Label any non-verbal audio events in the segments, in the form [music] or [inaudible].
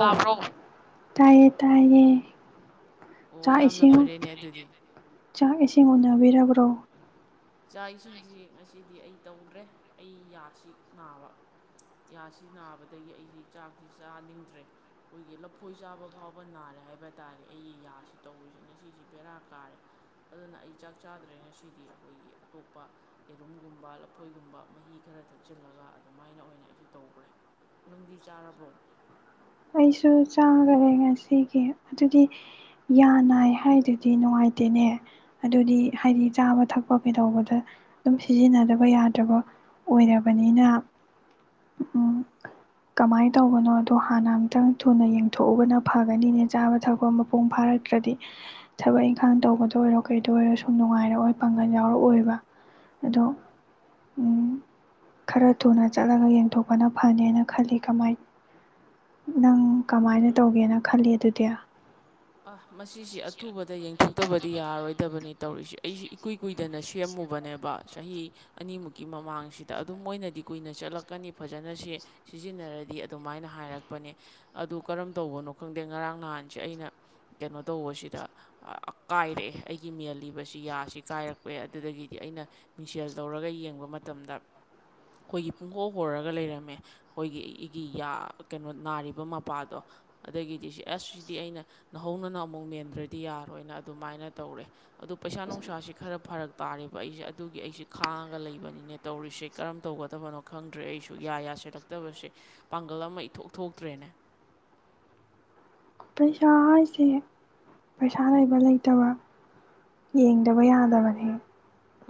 ꯇꯥꯕ꯭ꯔꯣ ꯇꯥꯏꯌꯦ ꯇꯥꯏꯌꯦ ꯑꯣ ꯆꯥꯛ ꯌꯥꯝꯅ ꯏꯁꯤꯡ ꯐꯔꯦꯅꯦ ꯑꯗꯨꯗꯤ ꯆꯥꯛ ꯏꯁꯤꯡ ꯎꯅꯕꯤꯔꯕ꯭ꯔꯣ ꯆꯥꯛ ꯏꯁꯤꯡꯁꯤ ꯉꯁꯤꯗꯤ ꯑꯩ ꯇꯧꯗ꯭ꯔꯦ ꯑꯩ ꯌꯥꯁꯤ ꯅꯥꯕ ꯌꯥꯁꯤ ꯅꯥꯕꯗꯒꯤ ꯑꯩꯁꯤꯦ ꯆꯥꯛꯁꯤ ꯆꯥꯅꯤꯡꯗ꯭ꯔꯦ ꯑꯩꯈꯣꯏꯒꯤ ꯂꯐꯣꯏ ꯆꯥꯕ ꯐꯥꯎꯕ ꯅꯥꯔꯦ ꯍꯥꯏꯕ ꯇꯥꯔꯦ ꯑꯩꯒꯤ ꯌꯥꯁꯤ ꯇꯧꯔꯨꯁꯤ ꯉꯁꯤꯁꯤ ꯕꯦꯔꯥ ꯀꯥꯔꯦ ꯑꯗꯨꯅ ꯑꯩ ꯆꯥꯛ ꯆꯥꯗ꯭ꯔꯦ ꯉꯁꯤꯗꯤ ꯑꯩꯈꯣꯏꯒꯤ ꯑꯇꯣꯞꯄ ꯌꯦꯔꯨꯝꯒꯨꯝꯕ ꯂꯐꯣꯏꯒꯨꯝꯕ ꯃꯍꯤ ꯈꯔ ꯊꯛꯆꯤꯜꯂꯒ ꯑꯗꯨꯃꯥꯏꯅ ꯑꯣꯏꯅ ꯑꯩꯁꯤ ꯇꯧꯈ꯭ꯔꯦ ꯅꯨꯡꯗꯤ ꯆꯥꯔꯕ꯭ꯔꯣ ꯑꯩꯁꯨ ꯆꯥꯈꯔꯦ ꯉꯁꯤꯒꯤ ꯑꯗꯨꯗꯤ ꯌꯥꯅꯥꯏ ꯍꯥꯏꯗꯨꯗꯤ ꯅꯨꯡꯉꯥꯏꯇꯦ ꯅꯦ ꯑꯗꯨꯗꯤ ꯍꯥꯏꯗꯤ ꯆꯥꯕ ꯊꯛꯄ ꯀꯩꯗꯧꯕꯗ ꯑꯗꯨꯝ ꯁꯤꯖꯤꯟꯅꯗꯕ ꯌꯥꯗ꯭ꯔꯕ ꯑꯣꯏꯔꯕꯅꯤꯅ ꯀꯃꯥꯏꯅ ꯇꯧꯕꯅꯣ ꯑꯗꯣ ꯍꯥꯟꯅ ꯈꯤꯇꯪ ꯊꯨꯅ ꯌꯦꯡꯊꯣꯛꯎꯕꯅ ꯐꯒꯅꯤꯅꯦ ꯆꯥꯕ ꯊꯛꯄ ꯃꯄꯨꯡ ꯐꯥꯔꯛꯇ꯭ꯔꯗꯤ ꯊꯕꯛ ꯏꯪꯈꯥꯡ ꯇꯧ ꯇꯧꯕꯗ ꯑꯣꯏꯔꯣ ꯀꯩꯗ ꯑꯣꯏꯔꯣ ꯁꯨꯝ ꯅꯨꯡꯉꯥꯏꯔꯛꯑꯣ ꯄꯥꯡꯒꯜ ꯌꯥꯎꯔꯛꯑꯣꯏꯕ ꯑꯗꯣ ꯎꯝ ꯈꯔ ꯊꯨꯅ ꯆꯠꯂꯒ ꯌꯦꯡꯊꯣꯛꯄꯅ ꯐꯅꯦꯅ ꯈꯜꯂꯤ ꯀꯃꯥꯏꯅ ꯅꯪ ꯀꯃꯥꯏꯅ ꯇꯧꯒꯦꯅ ꯈꯜꯂꯤ ꯑꯗꯨꯗꯤ ꯑ ꯃꯁꯤꯁꯤ ꯑꯊꯨꯕꯗ ꯌꯦꯡꯊꯣꯛꯇꯕꯗꯤ ꯌꯥꯔꯣꯏꯗꯕꯅꯤ ꯇꯧꯔꯤꯁꯤꯦ ꯑꯩꯁꯤ ꯀꯨꯏ ꯀꯨꯏꯗꯅ ꯁꯦꯝꯃꯨꯕꯅꯦꯕ ꯆꯍꯤ ꯑꯅꯤꯃꯨꯛꯀꯤ ꯃꯃꯥꯡꯁꯤꯗ ꯑꯗꯨꯝ ꯑꯣꯏꯅꯗꯤ ꯀꯨꯏꯅ ꯆꯠꯂꯛꯀꯅꯤ ꯐꯖꯅꯁꯦ ꯁꯤꯖꯤꯟꯅꯔ ꯍꯥꯏꯗꯤ ꯑꯗꯨꯃꯥꯏꯅ ꯍꯥꯏꯔꯛꯄꯅꯦ ꯑꯗꯨ ꯀꯔꯝ ꯇꯧꯕꯅꯣ ꯈꯪꯗꯦ ꯉꯔꯥꯡ ꯅꯍꯥꯟꯁꯦ ꯑꯩꯅ ꯀꯩꯅꯣ ꯇꯧꯕꯁꯤꯗ ꯀꯥꯏꯔꯛꯑꯦ ꯑꯩꯒꯤ ꯃꯦꯜꯂꯤꯕꯁꯤ ꯌꯥꯁꯤ ꯀꯥꯏꯔꯛꯄꯦ ꯑꯗꯨꯗꯒꯤ ꯍꯥꯏꯗꯤ ꯑꯩꯅ ꯃꯤꯁꯦꯜ ꯂꯧꯔꯒ ꯌꯦꯡꯕ ꯃꯇꯝꯗ ꯑꯩꯈꯣꯏꯒꯤ ꯄꯨꯡꯈꯣꯛ ꯍꯣꯔꯒ ꯂꯩꯔꯝꯃꯦ ꯑꯩꯈꯣꯏꯒꯤ ꯑꯩꯒꯤ ꯀꯩꯅꯣ ꯅꯥꯔꯤꯕ ꯃꯄꯥꯗꯣ ꯑꯗꯒꯤꯗꯤ ꯑꯁ ꯁꯤꯗꯤ ꯑꯩꯅ ꯅꯧꯍꯧꯅꯅ ꯑꯃꯨꯛ ꯃꯦꯟꯗ꯭ꯔꯗꯤ ꯌꯥꯔꯣꯏꯅ ꯑꯗꯨꯃꯥꯏꯅ ꯇꯧꯔꯦ ꯑꯗꯣ ꯄꯩꯁꯥ ꯅꯨꯡꯁꯥꯁꯤ ꯈꯔ ꯐꯔꯛ ꯇꯥꯔꯦ ꯑꯩꯁꯦ ꯑꯗꯨꯒꯤ ꯑꯩꯁꯦ ꯈꯥꯡꯉꯒ ꯂꯩꯕꯅꯤꯅꯦ ꯇꯧꯔꯤꯁꯦ ꯀꯔꯝ ꯇꯧꯒꯗꯕꯅꯣ ꯈꯪꯗ꯭ꯔꯦ ꯑꯩꯁꯨ ꯌꯥ ꯌꯥꯁꯤꯦꯔꯛꯇ ꯐꯠꯇꯕꯁꯦ ꯄꯥꯡꯒꯜ ꯑꯃ ꯏꯊꯣꯛ ꯊꯣꯛꯇ꯭ꯔꯦꯅꯦ [unintelligible] ꯄꯩꯁꯥ ꯍꯥꯏꯁꯦ ꯄꯩꯁꯥ ꯂꯩꯕ ꯂꯩꯇꯕ ꯌꯦꯡꯗꯕ ꯌꯥꯗꯕꯅꯦ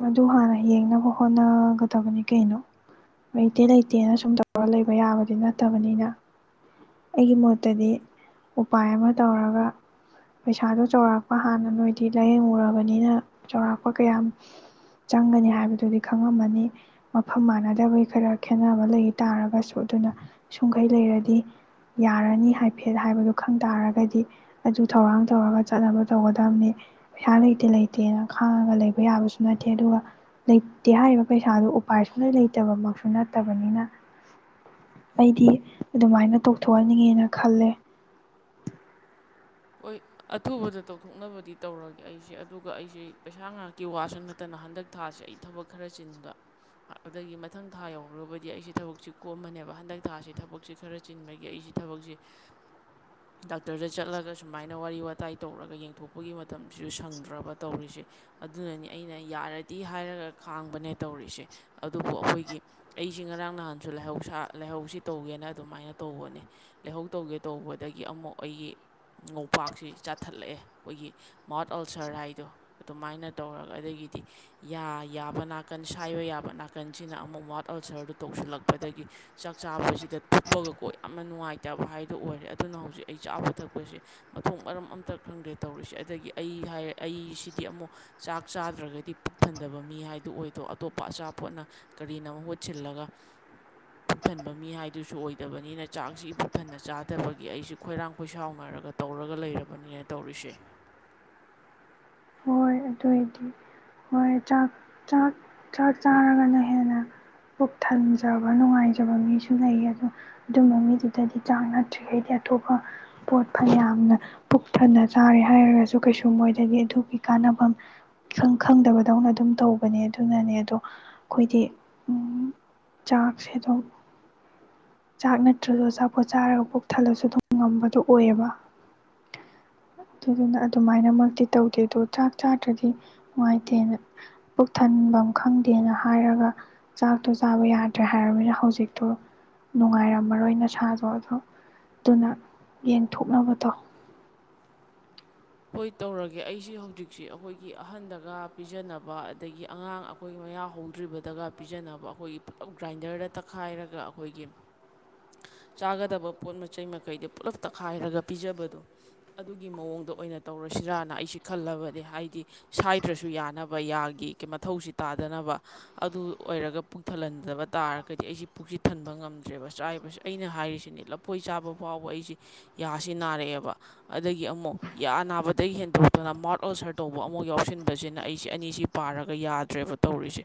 ꯑꯗꯨ ꯍꯥꯟꯅ ꯌꯦꯡꯅꯕ ꯍꯣꯠꯅꯒꯗꯕꯅꯤ ꯀꯩꯅꯣ ꯂꯩꯇꯦ ꯂꯩꯇꯦꯅ ꯁꯨꯝ ꯇꯧꯔꯒ ꯂꯩꯕ ꯌꯥꯕꯗꯤ ꯅꯠꯇꯕꯅꯤꯅ ꯑꯩꯒꯤ ꯃꯣꯠꯇꯗꯤ ꯎꯄꯥꯏ ꯑꯃ ꯇꯧꯔꯒ ꯄꯩꯁꯥꯗꯨ ꯆꯥꯎꯔꯥꯛꯄ ꯍꯥꯟꯅ ꯅꯣꯏꯗꯤ ꯂꯥꯏꯌꯦꯡꯉꯨꯔꯕꯅꯤꯅ ꯆꯥꯎꯔꯥꯛꯄ ꯀꯌꯥꯝ ꯆꯪꯒꯅꯤ ꯍꯥꯏꯕꯗꯨꯗꯤ ꯈꯪꯉꯝꯃꯅꯤ ꯃꯐꯝ ꯃꯥꯟꯅꯗꯕꯒꯤ ꯈꯔ ꯈꯦꯠꯅꯕ ꯂꯩ ꯇꯥꯔꯒꯁꯨ ꯑꯗꯨꯅ ꯁꯨꯝꯈꯩ ꯂꯩꯔꯗꯤ ꯌꯥꯔꯅꯤ ꯍꯥꯏꯐꯦꯠ ꯍꯥꯏꯕꯗꯨ ꯈꯪ ꯇꯥꯔꯒꯗꯤ ꯑꯗꯨ ꯊꯧꯔꯥꯡ ꯇꯧꯔꯒ ꯆꯠꯅꯕ ꯇꯧꯒꯗꯕꯅꯤ ꯄꯩꯁꯥ ꯂꯩꯇꯦ ꯂꯩꯇꯦꯅ ꯈꯥꯡꯉꯒ ꯂꯩꯕ ꯌꯥꯕꯁꯨ ꯅꯠꯇꯦ ꯑꯗꯨꯒ ꯂꯩꯇꯦ ꯍꯥꯏꯔꯤꯕ ꯄꯩꯁꯥꯗꯨ ꯎꯄꯥꯏ ꯁ ꯂꯩꯇꯕꯃꯛꯁꯨ ꯅꯠꯇꯕꯅꯤꯅ ꯑꯩꯗꯤ ꯑꯗꯨꯃꯥꯏꯅ ꯇ ꯊꯣꯛꯍꯟꯅꯤꯡꯉꯦꯅ ꯈꯜꯂꯦ ꯍꯣꯏ ꯑꯊꯨꯕꯗ ꯇꯧꯊꯣꯛꯅꯕꯗꯤ ꯇꯧꯔꯒꯦ ꯑꯩꯁꯦ ꯑꯗꯨꯒ ꯑꯩꯁꯦ ꯄꯩꯁꯥ ꯉꯍꯥꯛꯀꯤ ꯋꯥꯁꯨ ꯅꯠꯇꯅ ꯍꯟꯗꯛ ꯊꯥꯁꯦ ꯑꯩ ꯊꯕꯛ ꯈꯔ ꯆꯤꯟꯕ ꯑꯗꯨꯗꯒꯤ ꯃꯊꯪ ꯊꯥ ꯌꯧꯔꯨꯔꯕꯗꯤ ꯑꯩꯁꯦ ꯊꯕꯛꯁꯦ ꯀꯣꯝꯃꯅꯦꯕ ꯍꯟꯗꯛ ꯊꯥꯁꯦ ꯊꯕꯛꯁꯦ ꯈꯔ ꯆꯤꯟꯕꯒꯤ ꯑꯩꯁꯦ ꯁꯤ ꯊꯕꯛꯁꯦ ꯗꯥꯛꯇꯔꯗ ꯆꯠꯂꯒ ꯁꯨꯝ ꯁꯃꯥꯏꯅ ꯋꯥꯔꯤ ꯋꯥꯇꯥꯏ ꯇꯧꯔꯒ ꯌꯦꯡꯊꯣꯛꯄꯒꯤ ꯃꯇꯝꯁꯤꯁꯨ ꯁꯪꯗ꯭ꯔꯕ ꯇꯧꯔꯤꯁꯦ ꯑꯗꯨꯅꯅꯤ ꯑꯩꯅ ꯌꯥ ꯇꯥꯔꯗꯤ ꯍꯥꯏꯔꯒ ꯈꯥꯡꯕꯅꯦ ꯇꯧꯔꯤꯁꯦ ꯑꯗꯨꯕꯨ ꯑꯩꯈꯣꯏꯒꯤ ꯑꯩꯁꯤ ꯉꯔꯥꯡ ꯅꯍꯥꯟꯁꯨ ꯂꯩꯥꯏꯍꯧꯁꯥ ꯂꯥꯏꯍꯧꯁꯤ ꯇꯧꯒꯦꯅ ꯑꯗꯨꯃꯥꯏꯅ ꯇꯧꯕꯅꯤ ꯂꯥꯏꯍꯧ ꯇꯧꯒꯦ ꯇꯧꯕꯗꯒꯤ ꯑꯃꯨꯛ ꯑꯩꯒꯤ ꯉꯣꯄꯥꯛꯁꯤ ꯆꯥꯊꯠꯂꯛꯑꯦ ꯑꯩꯈꯣꯏꯒꯤ ꯃꯥꯣꯠ ꯑꯜꯁꯔ ꯍꯥꯏꯗꯣ ꯑꯗꯨꯃꯥꯏꯅ ꯇꯧꯔꯒ ꯑꯗꯒꯤ ꯌꯥꯕ ꯅꯥꯀꯟ ꯁꯥꯏꯕ ꯌꯥꯕ ꯅꯥꯀꯟꯁꯤꯅ ꯑꯃꯨꯛ ꯋꯥꯠ ꯑꯜꯁꯔꯗꯨ ꯇꯧꯁꯤꯜꯂꯛꯄꯗꯒꯤ ꯆꯥꯛ ꯆꯥꯕꯁꯤꯗ ꯊꯨꯞꯄꯒꯀꯣ ꯌꯥꯝꯅ ꯅꯨꯡꯉꯥꯏꯇꯕ ꯍꯥꯏꯗꯨ ꯑꯣꯏꯔꯦ ꯑꯗꯨꯅ ꯍꯧꯖꯤꯛ ꯑꯩ ꯆꯥꯕ ꯊꯛꯄ ꯃꯊꯣꯡ ꯃꯔꯝ ꯑꯝꯇꯥ ꯈꯪꯗꯦ ꯇꯧꯔꯤꯁꯦ ꯑꯗꯒꯤ ꯑꯩ ꯍꯥꯏꯔꯦ ꯑꯩꯁꯤꯗꯤ ꯑꯃꯨꯛ ꯆꯥꯛ ꯆꯥ ꯅꯠꯇ꯭ꯔꯒꯥꯗꯤ ꯄꯨꯛ ꯊꯟꯗꯕ ꯃꯤ ꯍꯥꯏꯗꯨ ꯑꯣꯏꯗꯣ ꯑꯇꯣꯞꯄ ꯑꯆꯥꯄꯣꯠꯅ ꯀꯔꯤꯅ ꯃꯍ ꯃꯍꯨꯠ ꯁꯤꯜꯂꯒ ꯄꯨꯛꯊꯟꯕꯥ ꯃꯤ ꯍꯥꯏꯗꯨꯁꯨ ꯑꯣꯏꯗꯕꯅꯤꯅ ꯆꯥꯛꯁꯤ ꯄꯨꯊꯟꯅ ꯆꯥꯗꯕꯒꯤ ꯑꯩꯁꯨ ꯈꯣꯏꯔꯥꯡ ꯈꯣꯏꯁꯥꯎ ꯇꯧꯔꯒ ꯂꯩꯔꯕꯅꯤ ꯍꯥꯏ ꯇꯧꯔꯤꯁꯦ [inaudible] ꯣꯏ ꯑꯗꯨꯑꯣꯏꯗꯤ ꯍꯣꯏ ꯆꯥꯛ ꯆꯥꯛ ꯆꯥꯛ ꯆꯥꯔꯒꯅ ꯍꯦꯟꯅ ꯄꯨꯛ ꯊꯟꯖꯕ ꯅꯨꯡꯉꯥꯏꯖꯕ ꯃꯤꯁꯨ ꯂꯩ ꯑꯗꯣ ꯑꯗꯨꯝꯕ ꯃꯤꯗꯨꯗꯗꯤ ꯆꯥꯡ ꯅꯠꯇ꯭ꯔꯤꯈꯩꯗꯤ ꯑꯇꯣꯞꯄ ꯄꯣꯠ ꯐ ꯌꯥꯝꯅ ꯄꯨꯛꯊꯅ ꯆꯥꯔꯦ ꯍꯥꯏꯔꯒꯁꯨ ꯀꯩꯁꯨ ꯃꯣꯏꯗꯗꯤ ꯑꯗꯨꯒꯤ ꯀꯥꯟꯅꯕ ꯑꯥ ꯏꯪ ꯈꯪꯗꯕꯗꯧꯅ ꯑꯗꯨꯝ ꯇꯧꯕꯅꯦ ꯑꯗꯨꯅꯅꯦ ꯑꯗꯣ ꯑꯩꯈꯣꯏꯗꯤ ꯆꯥꯛꯁꯦꯗꯣꯡ ꯆꯥꯛ ꯅꯠꯇ꯭ꯔꯁꯨ ꯑꯆꯥꯄꯣꯠ ꯆꯥꯔꯒ ꯄꯣꯛ ꯊꯜꯂꯁꯨ ꯑꯗꯨꯝ ꯉꯝꯕꯗꯣ ꯑꯣꯏꯌꯦꯕ [unintelligible] ꯑꯗꯨꯗꯨꯅ ꯑꯗꯨꯃꯥꯏꯅꯃꯛꯇꯤ ꯇꯧꯗꯦ ꯑꯗꯣ ꯆꯥꯛ ꯆꯥꯗ꯭ꯔꯗꯤ ꯅꯨꯡꯉꯥꯏꯇꯦꯅ ꯄꯨꯛꯊꯟ ꯊꯐꯝ ꯈꯪꯗꯦꯅ ꯍꯥꯏꯔꯒ ꯆꯥꯛꯇꯣ ꯆꯥꯕ ꯌꯥꯗ꯭ꯔꯦ ꯍꯥꯏꯔꯕꯅꯤꯅ ꯍꯧꯖꯤꯛꯇꯣ ꯅꯨꯡꯉꯥꯏꯔꯝꯃꯔꯣꯏ ꯅꯁꯥꯗꯣ ꯑꯗꯨ ꯑꯗꯨꯅ ꯌꯦꯟꯊꯣꯛꯅꯕꯗꯣ [unintelligible] ꯍꯣꯏ ꯇꯧꯔꯒꯦ ꯑꯩꯁꯤ ꯍꯧꯖꯤꯛꯁꯤ ꯑꯩꯈꯣꯏꯒꯤ ꯑꯍꯟꯗꯒ ꯄꯤꯖꯅꯕ ꯑꯗꯒꯤ ꯑꯉꯥꯡ ꯑꯩꯈꯣꯏ ꯃꯌꯥ ꯍꯧꯗ꯭ꯔꯤꯕꯗꯒ ꯄꯤꯖꯅꯕ ꯑꯩꯈꯣꯏꯒꯤ ꯄꯨꯂꯞ ꯒ꯭ꯔꯥꯏꯟꯗꯔꯗ ꯇꯛꯈꯥꯏꯔꯒ ꯑꯩꯈꯣꯏꯒꯤ ꯆꯥꯒꯗꯕ ꯄꯣꯠ ꯃꯆꯩ ꯃꯈꯩꯗꯤ ꯄꯨꯂꯞ ꯇꯛꯈꯥꯏꯔꯒ ꯄꯤꯖꯕꯗꯣ ꯑꯗꯨꯒꯤ ꯃꯑꯣꯡꯗ ꯑꯣꯏꯅ ꯇꯧꯔꯁꯤꯔꯥꯅ ꯑꯩꯁꯤ ꯈꯜꯂꯕꯗꯤ ꯍꯥꯏꯗꯤ ꯁꯥꯏꯗ꯭ꯔꯁꯨ ꯌꯥꯅꯕ ꯌꯥꯒꯤ ꯃꯊꯧꯁꯤ ꯇꯥꯗꯅꯕ ꯑꯗꯨ ꯑꯣꯏꯔꯒ ꯄꯨꯛ ꯊꯜꯍꯟꯗꯕ ꯇꯥꯔꯒꯗꯤ ꯑꯩꯁꯤ ꯄꯨꯛꯁꯤ ꯊꯟꯕ ꯉꯝꯗ꯭ꯔꯦꯕ ꯆꯕꯁꯤꯁꯨ ꯑꯩꯅ ꯑꯩꯅ ꯍꯥꯏꯔꯤꯁꯤꯅꯦ ꯂꯐꯣꯏ ꯆꯥꯕ ꯐꯥꯎꯕ ꯑꯩꯁꯤꯦ ꯌꯥꯁꯤ ꯅꯥꯔꯛꯑꯦꯕ ꯑꯗꯒꯤ ꯑꯃꯨꯛ ꯑꯅꯥꯕꯗꯒꯤ ꯍꯦꯟꯗꯣꯛꯇꯨꯅ ꯃꯥꯎꯠ ꯑꯣꯜꯁꯔ ꯇꯧꯕ ꯑꯃꯨꯛ ꯌꯥꯎꯁꯤꯟꯕꯁꯤꯅ ꯑꯩꯁꯤ ꯑꯅꯤꯁꯤ ꯄꯥꯔꯒ ꯌꯥꯗ꯭ꯔꯦꯕ ꯇꯧꯔꯤꯁꯦ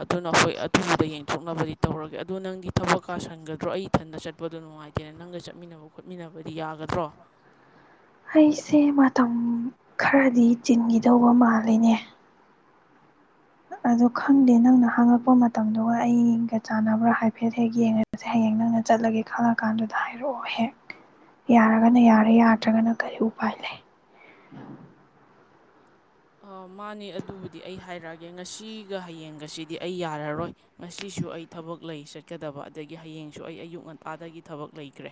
ꯑꯗꯨꯅ ꯑꯩꯈꯣꯏ ꯑꯊꯨꯕꯗ ꯌꯦꯡꯊꯣꯛꯅꯕꯗꯤ ꯇꯧꯔꯒꯦ ꯑꯗꯨ ꯅꯪꯗꯤ ꯊꯕꯛ ꯀꯥ ꯁꯟꯒꯗ꯭ꯔꯣ ꯑꯩ ꯊꯛ ꯃꯊꯟꯗ ꯆꯠꯄꯗꯣ ꯅꯨꯡꯉꯥꯏꯇꯦꯅ ꯅꯪꯒ ꯆꯠꯃꯤꯟꯅꯕ ꯈꯣꯠꯃꯤꯟꯅꯕꯗꯤ ꯌꯥꯒꯗ꯭ꯔꯣ [unintelligible] ꯑꯩꯁꯦ ꯃꯇꯝ ꯈꯔꯗꯤ ꯆꯤꯟꯈꯤꯗꯧꯕ ꯃꯥꯜꯂꯤꯅꯦ ꯑꯗ ꯈꯪꯗꯦ ꯅꯪꯅ ꯍꯥꯡꯉꯛꯄ ꯃꯇꯝꯗꯨꯒ ꯑꯩꯒ ꯆꯥꯟꯅꯕ꯭ꯔꯥ ꯍꯥꯏꯐꯦꯠ ꯍꯦꯛ ꯌꯦꯡꯉꯔꯁꯦ ꯍꯌꯦꯡ ꯅꯪ ꯀꯪꯅ ꯆꯠꯂꯒꯦ ꯈꯪꯉ ꯀꯥꯟꯗꯨꯗ ꯍꯥꯏꯔꯛꯑꯣ ꯍꯦꯛ ꯌꯥꯔꯒꯅ ꯌꯥꯔꯦ ꯌꯥꯗ꯭ꯔꯒꯅ ꯀꯔꯤ ꯎꯄꯥꯏ ꯂꯩ ꯃꯥꯅꯦ ꯑꯗꯨꯕꯨꯗꯤ ꯑꯩ ꯍꯥꯏꯔꯛꯑꯒꯦ ꯉꯁꯤꯒ ꯍꯌꯦꯡꯒꯁꯤꯗꯤ ꯑꯩ ꯌꯥꯔꯔꯣꯏ ꯉꯁꯤ ꯁꯨ ꯑꯩ ꯊꯕꯛ ꯂꯩ ꯆꯠꯀꯗꯕ ꯑꯗꯒꯤ ꯍꯌꯦꯡꯁꯨ ꯑꯩ ꯑꯌꯨꯛ ꯉꯟꯇꯥꯗꯒꯤ ꯊꯕꯛ ꯂꯩꯈ꯭ꯔꯦ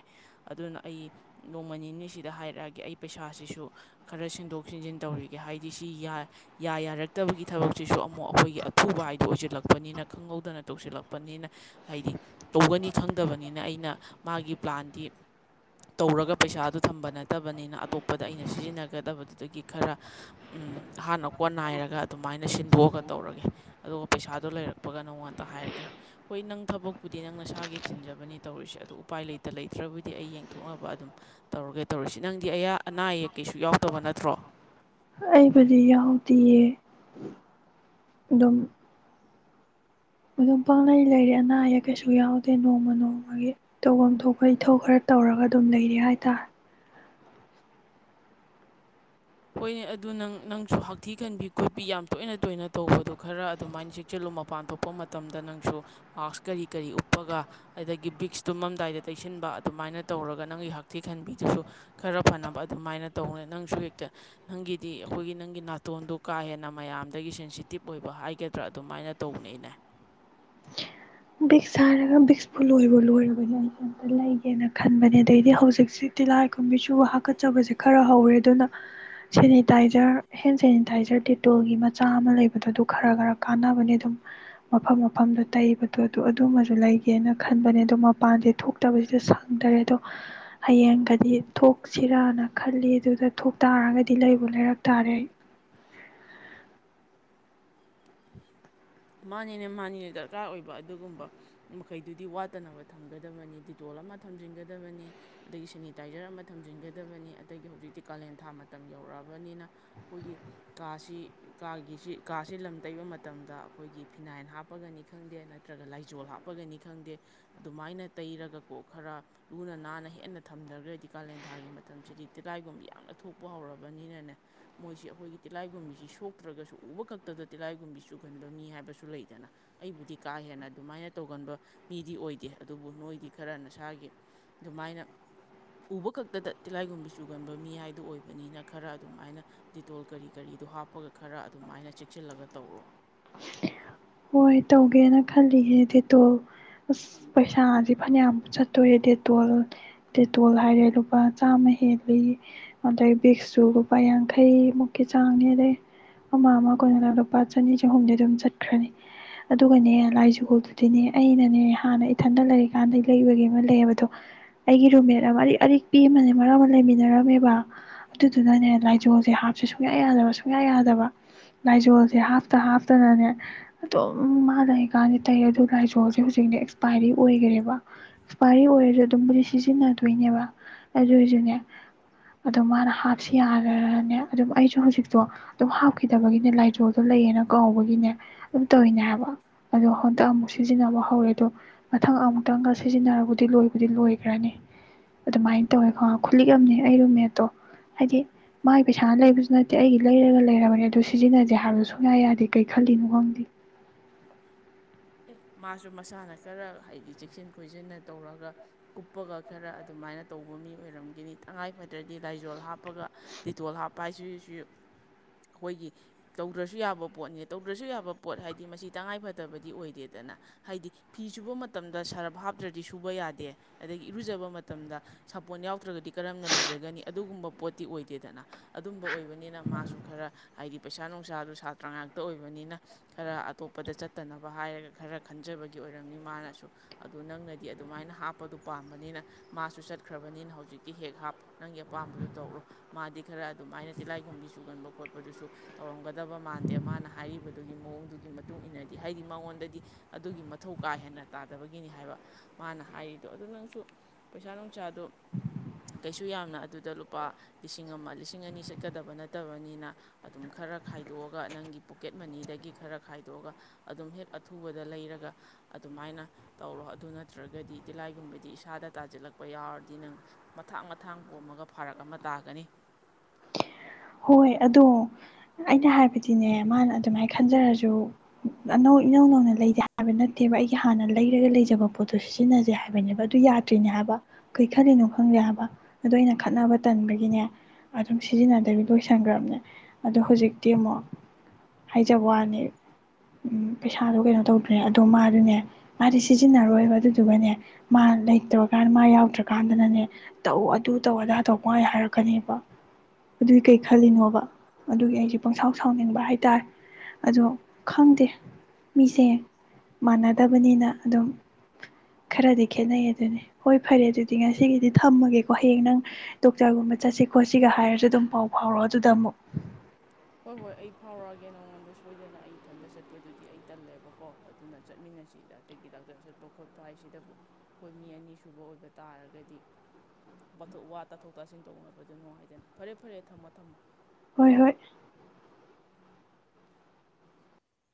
ꯑꯗꯨꯅ ꯑꯩ ꯅꯣꯡꯃ ꯅꯤꯅꯤꯁꯤꯗ ꯍꯥꯏꯔꯛꯑꯒꯦ ꯑꯩ ꯄꯩꯁꯥꯁꯤꯁꯨ ꯈꯔ ꯁꯦꯝꯗꯣꯛꯖꯤꯟ ꯇꯧꯔꯤꯒꯦ ꯍꯥꯏ ꯁꯤ ꯌꯥ ꯌꯥꯔꯛꯇꯕꯒꯤ ꯊꯕꯛꯁꯤꯁꯨ ꯑꯃꯨꯛ ꯑꯩꯈꯣꯏꯒꯤ ꯑꯊꯨꯕ ꯍꯥꯏꯗꯣ ꯑꯣꯏꯁꯤꯜꯂꯛꯄꯅꯤꯅ ꯈꯪꯍꯧꯗꯅ ꯇꯧꯁꯤꯜꯂꯛꯄꯅꯤꯅ ꯍꯥꯏꯗꯤ ꯇꯧꯒꯅꯤ ꯈꯪꯗꯕꯅꯤꯅ ꯑꯩꯅ ꯃꯥꯒꯤ ꯄ꯭ꯂꯥꯟꯗꯤ ꯇꯧꯔꯒ ꯄꯩꯁꯥ ꯑꯗꯨ ꯊꯝꯕ ꯅꯠꯇꯕꯅꯤꯅ ꯑꯇꯣꯞꯄꯗ ꯑꯩꯅ ꯁꯤꯖꯤꯟꯅꯒꯗꯕꯗꯨꯗꯒꯤ ꯈꯔ [inaudible] ꯑꯍꯥꯟꯅ ꯀꯣ ꯅꯥꯏꯔꯒ ꯑꯗꯨꯃꯥꯏꯅ ꯁꯤꯟꯗꯣꯛꯑꯒ ꯇꯧꯔꯒꯦ ꯑꯗꯨꯒ ꯄꯩꯁꯥꯗꯣ ꯂꯩꯔꯛꯄꯒ ꯅꯉꯣꯟꯇ ꯍꯥꯏꯔꯒꯦ ꯍꯣꯏ ꯅꯪ ꯊꯕꯛꯄꯨꯗꯤ ꯅꯪ ꯅꯁꯥꯒꯤ ꯆꯤꯟꯖꯕꯅꯤ ꯇꯧꯔꯤꯁꯦ ꯑꯗꯨ ꯎꯄꯥꯏ ꯂꯩꯇ ꯂꯩꯇ꯭ꯔꯕꯨꯗꯤ ꯑꯩ ꯌꯦꯡꯊꯣꯛꯅꯕ ꯑꯗꯨ ꯑꯗꯨꯝ ꯇꯧꯔꯒꯦ ꯇꯧꯔꯁꯤ ꯅꯪꯗꯤ ꯑꯌꯥ ꯑꯅꯥ ꯑꯌꯦꯛ ꯀꯩꯁꯨ ꯌꯥꯎꯗꯕ ꯅꯠꯇ꯭ꯔꯣ ꯑꯩꯕꯗꯤ ꯌꯥꯇꯌꯦ ꯗꯝ ꯑꯗꯨꯝ ꯄꯥꯛꯅꯩ ꯂꯩꯔꯦ ꯑꯅꯥ ꯑꯌꯦꯛ ꯀꯩꯁꯨ ꯌꯥꯎꯗꯦ ꯅꯣꯡꯃ ꯅꯣꯡꯃꯒꯤ ꯇꯧꯐꯝ ꯊꯣꯛꯄ ꯏꯊꯧ ꯈꯔ ꯇ ꯇꯧꯔꯒ ꯑꯗꯨꯝ ꯂꯩꯔ ꯍꯥꯏꯇꯥꯔꯦ ꯍꯣꯏꯅꯦ ꯑꯗꯨ ꯅꯪ ꯅꯪꯁꯨ ꯍꯛꯊꯤ ꯈꯟꯕꯤ ꯈꯣꯠꯄꯤ ꯌꯥꯝ ꯇꯣꯏꯅ ꯇꯣꯏꯅ ꯇꯧꯕꯗꯣ ꯈꯔ ꯑꯗꯨꯃꯥꯏꯅ ꯁꯦꯛꯆꯜꯂꯨ ꯃꯄꯥꯟ ꯊꯣꯛꯄ ꯃꯇꯝꯗ ꯅꯪꯁꯨ ꯃꯥꯛꯁ ꯀꯔꯤ ꯀꯔꯤ ꯎꯞꯄꯒ ꯑꯗꯒꯤ ꯕꯤꯛꯁ ꯇꯨꯃꯝꯗꯥꯏꯗ ꯇꯩꯁꯟ ꯊꯤꯟꯕ ꯑꯗꯨꯃꯥꯏꯅ ꯇꯧꯔꯒ ꯅꯪꯒꯤ ꯍꯛꯊꯤ ꯈꯟꯕꯤꯗꯨꯁꯨ ꯈꯔ ꯐꯅꯕ ꯑꯗꯨꯃꯥꯏꯅ ꯇꯧꯅꯤ ꯅꯪꯁꯨ ꯍꯦꯛ ꯅꯪꯒꯤꯗꯤ ꯑꯩꯈꯣꯏꯒꯤ ꯅꯪꯒꯤ ꯅꯥꯇꯣꯟꯗꯣ ꯀꯥ ꯍꯦꯟꯅ ꯃꯌꯥꯝꯗꯒꯤ ꯁꯦꯟꯁꯤꯇꯤꯞ ꯑꯣꯏꯕ ꯍꯥꯏꯒꯗ꯭ꯔꯥ ꯑꯗꯨꯃꯥꯏꯅ ꯁꯃꯥꯏꯅ ꯇꯧꯕꯅꯦ ꯑꯅꯦ [unintelligible] ꯕꯤꯛꯁ ꯁꯥꯔꯒ ꯕꯤꯛꯁꯄꯨ ꯂꯣꯏ ꯂꯣꯏꯔꯕꯗꯤ ꯑꯩꯁ ꯑꯝꯇ ꯂꯩꯒꯦꯅ ꯈꯟꯕꯅꯦ ꯑꯗꯩꯗꯤ ꯍꯧꯖꯤꯛꯁꯤ ꯂꯥꯏꯈꯨꯝꯕꯤꯁꯨ ꯍꯥꯀꯠꯆꯕꯁꯦ ꯈꯔ ꯍꯧꯋꯦ ꯑꯗꯨꯅ ꯁꯦꯅꯤꯇꯥꯏꯖꯔ ꯍꯦꯟ ꯁꯦꯅꯤꯇꯥꯏꯖꯔ ꯇꯦꯇꯣꯜꯒꯤ ꯃꯆꯥ ꯑꯃ ꯂꯩꯕꯗꯣ ꯑꯗꯨ ꯈꯔ ꯈꯔ ꯀꯥꯟꯅꯕꯅꯤ ꯑꯗꯨꯝ ꯃꯐꯝ ꯃꯐꯝꯗ ꯇꯩꯕ ꯑꯗꯨ ꯑꯗꯨꯃꯁꯨ ꯂꯩꯒꯦꯅ ꯈꯟꯕꯅꯦ ꯑꯗꯣ ꯃꯄꯥꯟꯁꯦ ꯊꯣꯛꯇꯕꯁꯤꯗ ꯁꯪꯗꯔꯦ ꯑꯗꯣ ꯍꯌꯦꯡ ꯒꯗꯤ ꯊꯣꯛꯁꯤꯔꯥꯅ ꯈꯜꯂꯤ ꯑꯗꯨꯗ ꯊꯣꯛ ꯇꯥꯔꯒꯗꯤ ꯂꯩꯕꯨ ꯂꯩꯔꯛ ꯇꯥꯔꯦ ꯑꯩ [unintelligible] ꯃꯥꯅꯤꯅ ꯃꯥꯅꯤꯅ ꯗꯔꯀꯥꯔ ꯑꯣꯏꯕ ꯑꯗꯨꯒꯨꯝꯕ ꯃꯈꯩꯗꯨꯗꯤ ꯋꯥꯠꯇꯅꯕ ꯊꯝꯒꯗꯕꯅꯤ ꯗꯤꯇꯣꯜ ꯍꯧ ꯇꯧꯔꯛꯑꯕꯅꯤꯅ ꯑꯩꯈꯣꯏꯒꯤ ꯀꯥꯁꯤ ꯀꯥꯒꯤꯁꯤ ꯀꯥꯁꯤ ꯂꯝ ꯇꯩꯕ ꯃꯇꯝꯗ ꯑꯩꯈꯣꯏꯒꯤ ꯐꯤꯅꯥꯏꯟ ꯍꯥꯞꯄꯒꯅꯤ ꯈꯪꯗꯦ ꯅꯠꯇ꯭ꯔꯒ ꯂꯥꯏꯖꯣꯜ ꯍꯥꯞꯄꯒꯅꯤ ꯈꯪꯗꯦ ꯑꯗꯨꯃꯥꯏꯅ ꯇꯩꯔꯒ ꯄꯣꯛ ꯈꯔ ꯂꯨꯅ ꯅꯥꯟꯅ ꯍꯦꯟꯅ ꯊꯝꯊꯔꯒꯗꯤ ꯀꯥꯂꯦꯟ ꯊꯥꯒꯤ ꯃꯇꯝꯁꯤꯗꯤ ꯇꯤꯂꯥꯏꯒꯨꯝꯕ ꯌꯥꯝꯅ ꯊꯣꯛꯄ ꯍꯧꯔꯔꯕꯒ ꯣꯏ ꯇꯤꯤ ꯍꯥꯏ ꯂꯩꯗꯅ ꯑꯩꯕꯨ ꯀ ꯑꯗꯨꯃꯥꯏꯅ ꯇꯟ ꯃꯤ ꯑꯣꯏꯗꯦ ꯑꯗꯨꯕꯨ ꯅꯣꯏꯗꯤ ꯈ ꯈꯔ ꯅꯁꯥꯒꯤ ꯑꯗꯨꯃꯥꯏꯅ ꯎꯕ ꯈꯛꯇꯗ ꯇꯤꯂꯥꯏꯒꯨꯝꯕꯤ ꯆꯨꯒꯟꯕ ꯃꯤ ꯍꯥꯏꯗꯨ ꯑꯣꯏꯕꯅꯤꯅ ꯈꯔ ꯑꯗꯨꯝꯥꯏꯅ ꯗꯤꯇꯣꯜ ꯀꯔꯤ ꯀꯔꯤ ꯑꯩꯗꯨꯣ ꯍꯥꯞꯄꯒ ꯈꯔ ꯑꯗꯨꯝ ꯍꯥꯏꯅ ꯆꯦꯛꯁꯤꯜꯂꯒ ꯇꯧꯔꯣ ꯍꯣꯏ ꯇꯧꯒꯦꯅ ꯈꯜꯂꯤꯁꯅꯦ ꯇꯦꯇꯣꯜ ꯑꯁ ꯄꯩꯁꯥꯁꯦ ꯐꯅꯌꯥꯝ ꯆꯠꯇꯣꯏꯔꯦ ꯗꯦꯇꯣꯜ ꯗꯦꯇꯣꯜ ꯍꯥꯏꯔꯦ ꯂꯨꯄꯥ ꯆꯥꯃ ꯍꯦꯜꯂꯤ ꯑꯗꯩ ꯕꯤꯛꯁꯁꯨ ꯂꯨꯄꯥ ꯌꯥꯡꯈꯩꯃꯨꯛꯀꯤ ꯆꯥꯡꯅꯤ ꯑꯗꯩ ꯑꯃ ꯑꯃ ꯀꯅꯅ ꯂꯨꯄꯥ ꯆꯅꯤ ꯆꯍꯨꯝꯗꯤ ꯑꯗꯨꯝ ꯆꯠꯈ꯭ꯔꯅꯤ ꯑꯗꯨꯒꯅꯦ ꯂꯥꯏ ꯖꯨꯒꯣꯜꯗꯨꯗꯤꯅꯦ ꯑꯩꯅꯅꯦ ꯍꯥꯟꯅ ꯏꯊꯟꯗ ꯂꯩꯔꯤꯀꯥꯟꯗ ꯂꯩꯕꯒꯤ ꯑꯃ ꯂꯩꯑꯕꯗꯣ ꯑꯩꯒꯤ ꯔꯨꯝꯃꯦꯠ ꯑꯃ ꯑꯔꯤꯛ ꯑꯔꯤꯛ ꯄꯤ ꯑꯃꯅꯦ ꯃꯔꯛ ꯑꯃ ꯂꯩꯃꯤꯟꯅꯔꯝꯃꯦꯕ ꯑꯗꯨꯗꯨꯅꯅꯦ ꯂꯥꯏꯖꯣꯜꯁꯦ ꯍꯥꯞꯁ ꯁꯨꯡꯌꯥ ꯌꯥꯗꯕ ꯁꯨꯡꯌꯥ ꯌꯥꯗꯕ ꯂꯥꯏꯖꯣꯜꯁꯦ ꯍꯥꯞꯇ ꯍꯥꯞꯇꯅꯅꯦ ꯑꯗꯨꯝ ꯃꯥ ꯂꯩꯀꯥꯟꯗꯤ ꯇꯩ ꯑꯗꯨ ꯂꯥꯏꯖꯣꯜꯁꯦ ꯍꯧꯖꯤꯛꯤ ꯑꯦꯛꯁꯄꯥꯏꯔꯤ ꯑꯣꯏꯈꯔꯦꯕ ꯑꯦꯛꯁꯄꯔꯤ ꯑꯣꯏ ꯑꯣꯏꯔꯁꯨ ꯑꯗꯨꯝꯕꯨꯗꯤ ꯁꯤꯖꯤꯟꯅꯗꯣꯏꯅꯦꯕ ꯑꯗꯨ ꯑꯣꯏꯔꯁꯨꯅꯦ ꯑꯗꯣ ꯃꯥꯅ ꯍꯥꯞꯁꯤ ꯌꯥꯔꯅꯦ ꯑꯗꯨꯝ ꯑꯩꯁꯨ ꯍꯧꯖꯤꯛꯇꯣ ꯑꯗꯨꯝ ꯍꯥꯞꯈꯤꯗꯕꯒꯤꯅꯦ ꯂꯥꯏꯖꯣꯗꯣ ꯂꯩ ꯂꯩꯌꯦꯅ ꯀꯧꯕꯒꯤꯅꯦ ꯑꯗꯨꯝ ꯇꯧꯔꯤꯅꯦ ꯍꯥꯏꯕ ꯑꯗꯣ ꯍꯟꯛꯇꯛ ꯑꯃꯨꯛ ꯁꯤꯖꯤꯟꯅꯕ ꯍꯧꯔꯦ ꯑꯗꯣ ꯃꯊꯪ ꯑꯃꯨꯛꯇꯪꯒ ꯁꯤꯖꯤꯟꯅꯔꯕꯨꯗꯤ ꯂꯣꯏꯕꯨꯗꯤ ꯂꯣꯏꯈ꯭ꯔꯅꯤ ꯑꯗꯨꯃꯥꯏꯅ ꯇꯧꯋꯦ ꯈꯣ ꯈꯨꯂꯤꯛ ꯑꯅꯦ ꯑꯩꯔꯨꯝꯃꯦꯠꯇꯣ ꯍꯥꯏꯗꯤ ꯃꯥꯒꯤ ꯄꯩꯁꯥꯅ ꯂꯩꯕꯁꯨ ꯅꯠꯇꯦ ꯑꯩꯒꯤ ꯂꯩꯔꯒ ꯂꯩꯔꯕꯅꯦ ꯑꯗꯨ ꯁꯤꯖꯤꯟꯅꯁꯦ ꯍꯥꯏꯕꯗꯣ ꯁꯨꯡꯌꯥ ꯌꯥꯗꯦ ꯀꯩ ꯈꯜꯂꯤꯅꯣ ꯈꯪꯗꯦ ꯎ ꯃꯥꯁꯨ ꯃꯁꯥꯅ ꯈꯔ ꯍꯥꯏꯗꯤ ꯆꯦꯛꯁꯤꯟ ꯈꯣꯏꯁꯤꯟꯅ ꯇꯧꯔꯒ ꯀꯨꯞꯄꯒ ꯈꯔ ꯑꯗꯨꯃꯥꯏꯅ ꯇꯧꯕ ꯑꯣꯏꯔꯝꯅꯤ ꯇꯉꯥꯏ ꯐꯗ꯭ꯔꯗꯤ ꯂꯥꯏꯖꯣꯜ ꯍꯥꯞꯄꯒ ꯇꯤꯇꯣꯜ ꯍꯥꯞꯄ ꯍꯥꯏ ꯑꯩꯈꯣꯏꯒꯤ ꯇꯧꯗ꯭ꯔꯁꯨ ꯌꯥꯕ ꯄꯣꯠꯅꯦ ꯇꯧꯗ꯭ꯔꯁꯨ ꯌꯥꯕ ꯄꯣꯠ ꯍꯥꯏꯗꯤ ꯃꯁꯤ ꯇꯉꯥꯏꯐꯗꯕꯗꯤ ꯑꯣꯏꯗꯦ ꯗꯦꯗꯅ ꯍꯥꯏꯗꯤ ꯐꯤ ꯁꯨꯕ ꯃꯇꯝꯗ ꯁꯔꯞ ꯍꯥꯞꯇ꯭ꯔꯗꯤ ꯁꯨꯕ ꯌꯥꯗꯦ ꯑꯗꯒꯤ ꯏꯔꯨꯖꯕ ꯃꯇꯝꯗ ꯁꯥꯄꯣꯟ ꯌꯥꯎꯗ꯭ꯔꯒꯗꯤ ꯀꯔꯝꯅ ꯂꯨꯖꯒꯅꯤ ꯑꯗꯨꯒꯨꯝꯕ ꯄꯣꯠꯇꯤ ꯑꯣꯏꯗꯦꯗꯅ ꯑꯗꯨꯝꯕ ꯑꯣꯏꯕꯅꯤꯅ ꯃꯥꯁꯨ ꯑꯗꯨ ꯈꯔ ꯍꯥꯏꯗꯤ ꯄꯩꯁꯥ ꯅꯨꯡꯁꯥꯗꯨ ꯁꯥꯇ꯭ꯔ ꯉꯥꯛꯇ ꯑꯣꯏꯕꯅꯤꯅ ꯈꯔ ꯑꯇꯣꯞꯄꯗ ꯆꯠꯇꯅꯕ ꯍꯥꯏꯔꯒ ꯈꯔ ꯈꯟꯖꯕꯒꯤ ꯑꯣꯏꯔꯝꯅꯤ ꯃꯥꯅꯁꯨ ꯑꯗꯨ ꯅꯪꯅꯗꯤ ꯑꯗꯨꯃꯥꯏꯅ ꯍꯥꯞꯄꯗꯨ ꯄꯥꯝꯕꯅꯤꯅ ꯃꯥꯁꯨ ꯆꯠ ꯆꯠꯈ꯭ꯔꯕꯅꯤꯅ ꯍꯧꯖꯤꯛꯇꯤ ꯍꯦꯛ ꯍꯥꯞ ꯅꯪꯒꯤ ꯑꯄꯥꯝꯕꯗꯨ ꯇꯧꯔꯣ ꯃꯥꯗꯤ ꯈꯔ ꯑꯗꯨꯃꯥꯏꯅ ꯇꯤꯜꯂꯥꯏꯈꯨꯝꯕꯤ ꯆꯨꯒꯟꯕ ꯈꯣꯠꯄꯗꯨꯁꯨ ꯇꯧꯔꯝꯒꯗꯕ ꯃꯥꯟꯗꯦ ꯃꯥꯅ ꯍꯥꯏꯔꯤꯕꯗꯨꯒꯤ ꯃꯑꯣꯡꯗꯨꯒꯤ ꯃꯇꯨꯡ ꯏꯟꯅꯗꯤ ꯍꯥꯏꯗꯤ ꯃꯉꯣꯟꯗꯗꯤ ꯑꯗꯨꯒꯤ ꯃꯊꯧ ꯀꯥ ꯍꯦꯟꯅ ꯇꯥꯗꯕꯒꯤꯅꯤ ꯍꯥꯏꯕ ꯃꯥꯅ ꯍꯥꯏꯔꯤꯗꯣ ꯑꯗꯨ ꯅꯪꯁꯨ ꯄꯩꯁꯥ ꯅꯨꯡꯁꯥ ꯑꯗꯣ ꯀꯩꯁꯨ ꯌꯥꯝꯅ ꯑꯗꯨꯗ ꯂꯨꯄꯥ ꯂꯤꯁꯤꯡ ꯑꯃ ꯂꯤꯁꯤꯡ ꯑꯅꯤ ꯆꯠꯀꯗꯕ ꯅꯠꯇꯕꯅꯤꯅ ꯑꯗꯨꯝ ꯈꯔ ꯈꯔ ꯈꯥꯏꯗꯣꯛꯑꯒ ꯅꯪꯒꯤ ꯄꯣꯀꯦꯠ ꯃꯅꯤꯗꯒꯤ ꯈꯔ ꯈꯥꯏꯗꯣꯛꯑꯒ ꯑꯗꯨꯝ ꯍꯦꯛ ꯑꯊꯨꯕꯗ ꯂꯩꯔꯒ ꯑꯗꯨꯃꯥꯏꯅ ꯇꯧꯔꯣ ꯑꯗꯨ ꯅꯠꯇ꯭ꯔꯒꯗꯤ ꯇꯤꯂꯥꯏꯒꯨꯝꯕꯗꯤ ꯏꯁꯥꯗ ꯇꯥꯖꯤꯜꯂꯛꯄ ꯌꯥꯎꯔꯗꯤ ꯅꯪ ꯃꯊꯥꯡ ꯃꯊꯥꯡ ꯄꯣꯝꯃꯒ ꯐꯔꯛ ꯑꯃ ꯇꯥꯒꯅꯤ [unintelligible] ꯍꯣꯏ ꯑꯗꯣ ꯑꯩꯅ ꯍꯥꯏꯕꯗꯤꯅꯦ ꯃꯥꯅ ꯑꯗꯨꯃꯥꯏꯅ ꯈꯟꯖꯔꯁꯨ ꯑꯅꯧ ꯏꯅꯧ ꯅꯧꯅ ꯂꯩꯇꯦ ꯍꯥꯏꯕ ꯅꯠꯇꯦꯕ ꯑꯩꯒꯤ ꯍꯥꯟꯅ ꯂꯩꯔꯒ ꯂꯩꯖꯕ ꯄꯣꯠꯇꯣ ꯁꯤꯖꯤꯟꯅꯖꯦ ꯍꯥꯏꯕꯅꯦꯕ ꯑꯗꯨ ꯌꯥꯗ꯭ꯔꯤꯅꯦ ꯍꯥꯏ ꯍꯥꯏꯕ ꯀꯩ ꯈꯜꯂꯥꯅꯣ ꯈꯪꯗꯦ ꯍꯥꯏꯕ ꯑꯗꯣ ꯑꯩꯅ ꯈꯠꯅꯕ ꯇꯟꯕꯒꯤꯅꯦ ꯑꯗꯨꯝ ꯁꯥꯖꯤꯟꯅꯗꯕꯤ ꯂꯣꯏꯁꯟꯒ꯭ꯔꯝꯅꯦ ꯑꯗꯣ ꯍꯧꯖꯤꯛꯇꯤ ꯑꯃꯨꯛ ꯍꯥꯏꯖꯕ ꯋꯥꯅꯤ ꯎꯝ ꯄꯩꯁꯥꯗꯣ ꯀꯩꯅꯣ ꯇꯧꯗ꯭ꯔꯦ ꯑꯗꯣ ꯃꯥꯗꯤꯅꯦ ꯃꯥꯗꯤ ꯁꯤꯖꯤꯟꯅꯔꯣꯏꯕ ꯑꯗꯨꯗꯨꯒꯅꯦ ꯃꯥ ꯂꯩꯇꯕ ꯀꯥꯟꯗ ꯃꯥ ꯌꯥꯎꯗ꯭ꯔꯀꯥꯟꯗꯅꯅꯦ ꯇꯧ ꯑꯗꯨ ꯇꯧ ꯑꯗꯥ ꯇꯧ ꯄꯪꯍꯥꯏ ꯍꯥꯏꯔꯛꯀꯅꯤꯕ ꯑꯗꯨꯏ ꯀꯩ ꯈꯜꯂꯤꯅꯣꯕ ꯑꯗꯨꯒꯤ ꯑꯩꯁꯦ ꯄꯪꯁꯥꯎ ꯁꯥꯎꯅꯤꯡꯕ ꯍꯥꯏꯇꯥꯔꯦ ꯑꯗꯣ ꯈꯪꯗꯦ ꯃꯤꯁꯦ ꯃꯥꯟꯅꯗꯕꯅꯤꯅ ꯑꯗꯨꯝ ꯈꯔꯗꯤ ꯈꯦꯠꯅꯩ ꯑꯗꯨꯅꯤ ꯍꯣꯏ ꯐꯔꯦ ꯑꯗꯨꯗꯤ ꯉꯁꯤꯒꯤꯗꯤ ꯊꯝꯃꯒꯦꯀꯣ ꯍꯌꯦꯡ ꯅꯪ ꯗꯣꯛꯇꯔꯒꯨꯝ ꯆꯠꯁꯤ ꯈꯣꯠꯁꯤꯒ ꯍꯥꯏꯔꯁꯨ ꯑꯗꯨꯝ ꯄꯥꯎ ꯐꯥꯎꯔꯛꯑꯣ ꯑꯗꯨꯗ ꯑꯃꯨꯛ ꯍꯣꯏ ꯍꯣꯏ ꯑꯩ ꯐꯥꯎꯔꯛꯑꯒꯦ ꯅꯉꯣꯟꯗ ꯁꯣꯏꯗꯅ ꯑꯩ ꯏꯊꯟꯗ ꯆꯠꯄꯗꯨꯗꯤ ꯑꯩ ꯇꯜꯂꯦꯕꯀꯣ ꯑꯗꯨꯅ ꯆꯠꯃꯤꯟ [unintelligible] ꯗꯥꯛꯇꯔ ꯆꯠꯄ ꯈꯣꯠꯄ ꯍꯥꯏꯁꯤꯗꯕꯨ ꯑꯈꯣꯏ ꯃꯤ ꯑꯅꯤ ꯁꯨꯕ ꯑꯣꯏꯕ ꯇꯥꯔꯒꯗꯤ ꯋꯥꯊꯣꯛ ꯋꯥ ꯇꯥꯊꯣꯛ ꯇꯥꯁꯤꯟ ꯇꯧꯅꯕꯗꯨ ꯅꯨꯡꯉꯥꯏꯗꯅ ꯐꯔꯦ ꯐꯔꯦ ꯊꯝꯃꯣ ꯊꯝꯃꯣ ꯍꯣꯏ ꯍꯣꯏ